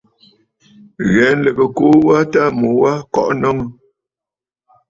Ghɛ̀ɛ nlɨgə ɨkuu wa tâ mu wa kɔʼɔ nɔŋə.